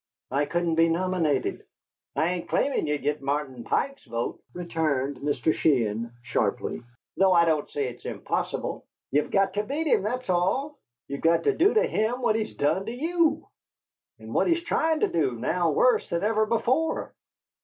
"I couldn't be nominated." "I ain't claimin' ye'd git Martin Pike's vote," returned Mr. Sheehan, sharply, "though I don't say it's impossible. Ye've got to beat him, that's all. Ye've got to do to him what he's done to YOU, and what he's tryin' to do now worse than ever before.